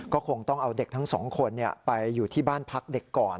ก็คงต้องเอาเด็กทั้งสองคนไปอยู่ที่บ้านพักเด็กก่อน